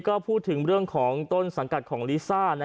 ก็พูดถึงเรื่องของต้นสังกัดของลิซ่า